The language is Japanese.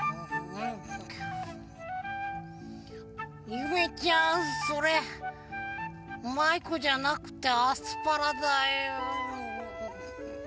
ゆめちゃんそれマイクじゃなくてアスパラだよ。